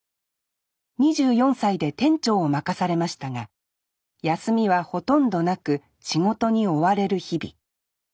２４歳で店長を任されましたが休みはほとんどなく仕事に追われる日々。